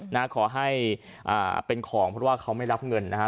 นะขอให้อ่าเป็นของเพราะว่าเขาไม่รับเงินนะฮะ